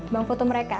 bang foto mereka